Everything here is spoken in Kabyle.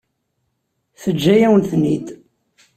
Teǧǧa-yawen-ten-id?